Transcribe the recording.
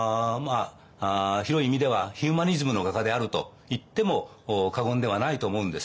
広い意味ではヒューマニズムの画家であるといっても過言ではないと思うんです。